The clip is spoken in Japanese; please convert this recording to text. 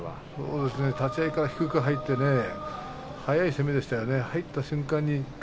立ち合いから低く入って速い攻めでしたね。